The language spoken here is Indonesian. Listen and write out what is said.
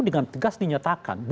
dengan tegas dinyatakan